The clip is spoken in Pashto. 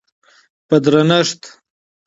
په درنښت،